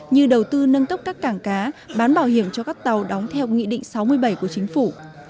như đầu tư nâng cấp các cảng cá bán bảo hiểm cho các tàu đóng theo nghị định sáu mươi bảy của chính phủ